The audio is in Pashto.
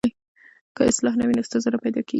که اصلاح نه وي نو ستونزه پیدا کېږي.